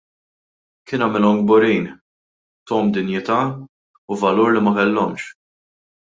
Kien għamilhom kburin, tahom dinjità u valur li ma kellhomx.